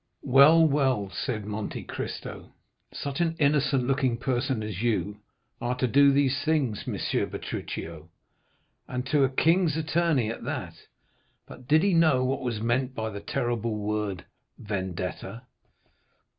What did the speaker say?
"Well, well," said Monte Cristo, "such an innocent looking person as you are to do those things, M. Bertuccio, and to a king's attorney at that! But did he know what was meant by the terrible word 'vendetta'?"